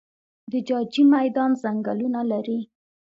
د جاجي میدان ځنګلونه لري